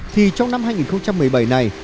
thì trong năm hai nghìn một mươi bảy này